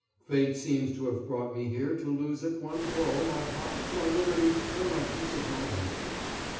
Fate seems to have brought me here to lose at one blow my heart, my liberty, and my peace of mind."